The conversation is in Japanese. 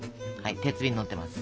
鉄瓶のってます。